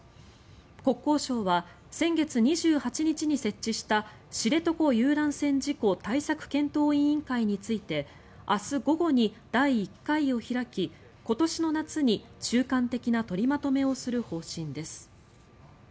国交省は先月２８日に設置した知床遊覧船事故対策検討委員会について明日午後に第１回を開き今年の夏に中間的な取りまとめをする方針です。